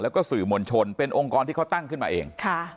แล้วก็สื่อมวลชนเป็นองค์กรที่เขาตั้งขึ้นมาเอง